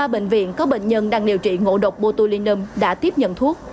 ba bệnh viện có bệnh nhân đang điều trị ngộ độc botulinum đã tiếp nhận thuốc